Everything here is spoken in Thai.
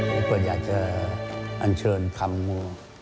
ผมก็อยากจะอัญเชิญคำ